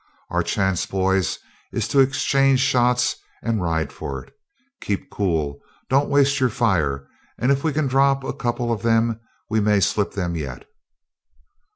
'Our chance, boys, is to exchange shots, and ride for it. Keep cool, don't waste your fire, and if we can drop a couple of them we may slip them yet.'